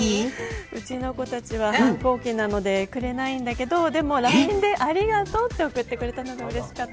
うちの子たちは反抗期でくれないんだけどＬＩＮＥでありがとうって送ってくれたのがうれしかった。